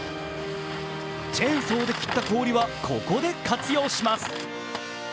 チェーンソーで切った氷は、ここで活用します。